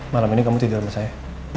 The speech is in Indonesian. malam ini kamu tidur bersama saya